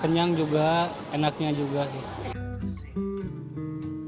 kenyang juga enaknya juga sih